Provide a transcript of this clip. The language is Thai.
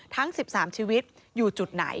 ทั้ง๑๓ชีวิตอยู่จุดไหน